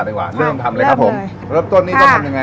ใช่แรงประมาณนึงนะฮะ